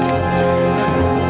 ndra kamu udah nangis